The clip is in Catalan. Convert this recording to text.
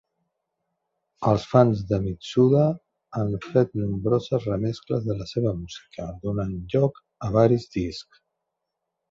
Els fans de Mitsuda han fet nombroses remescles de la seva música, donant lloc a varis discs.